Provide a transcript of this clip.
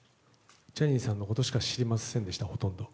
ジャニーさんのことしか知りませんでした、ほとんど。